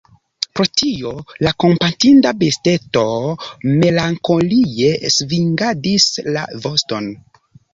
Pro tio la kompatinda besteto melankolie svingadis la voston.